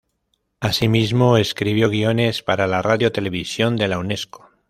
Asimismo, escribió guiones para la Radio Televisión de la Unesco.